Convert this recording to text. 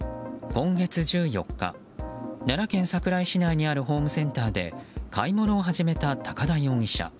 今月１４日奈良県桜井市内にあるホームセンターで買い物を始めた高田容疑者。